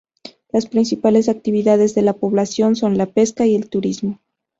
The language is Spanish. Las principales actividades de la población son la pesca y el turismo.